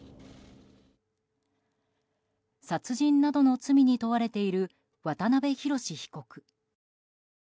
殺人などの罪に問われている渡辺宏被告。